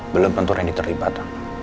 belum tentu randy terlibat